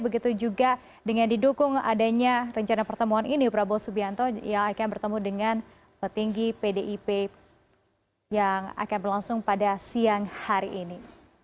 begitu juga dengan didukung adanya rencana pertemuan ini prabowo subianto yang akan bertemu dengan petinggi pdip yang akan berlangsung pada siang hari ini